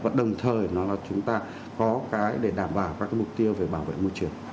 và đồng thời nó là chúng ta có cái để đảm bảo các mục tiêu về bảo vệ môi trường